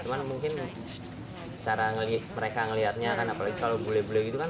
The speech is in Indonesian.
cuman mungkin cara mereka ngeliatnya kan apalagi kalau bule bule gitu kan